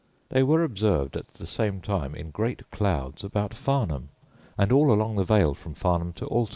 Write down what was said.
They were observed at the same time in great clouds about Farnham, and all along the vale from Farnham to Alton.